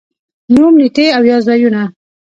نوم، نېټې او یا ځايونه